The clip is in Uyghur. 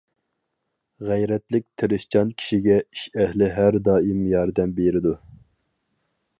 غەيرەتلىك تىرىشچان كىشىگە ئىش ئەھلى ھەر دائىم ياردەم بېرىدۇ.